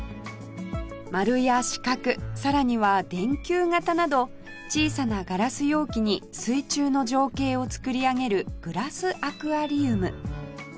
丸や四角さらには電球形など小さなガラス容器に水中の情景を作り上げるグラスアクアリウム